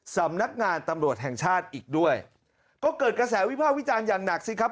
สำนักงานตำรวจแห่งชาติอีกด้วยก็เกิดกระแสวิภาควิจารณ์อย่างหนักสิครับ